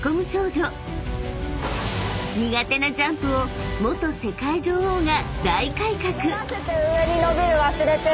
［苦手なジャンプを元世界女王が大改革！］